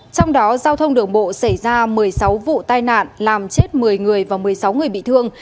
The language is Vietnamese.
trong đó giao thông đường bộ xảy ra một mươi sáu vụ tai nạn làm chết một mươi người và một mươi sáu người bị thương